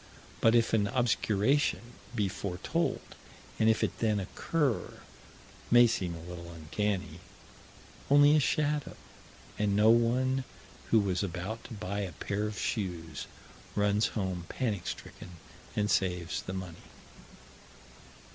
But if an obscuration be foretold, and if it then occur may seem a little uncanny only a shadow and no one who was about to buy a pair of shoes runs home panic stricken and saves the money.